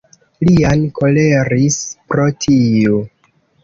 Lian koleris pro tio.